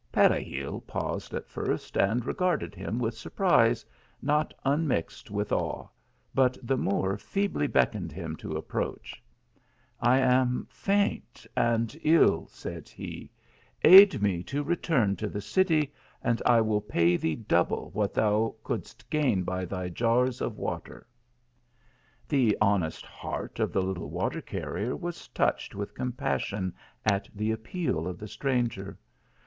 Pere gil paused at first, and regarded him with surprise, not unmixed with awe, but the Moor feebly beckoned him to approach* THE MOORS LEGACY. 103 " I am faint and ill," said he ;" aid me to return to the city, and I will pay thee double what thou couldst gain by thy jars of water." / The honest heart of the little water carrier was /; touched with compassion at the appeal of the stranger.